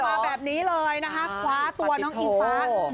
มาแบบนี้เลยนะคะคว้าตัวน้องอิงฟ้า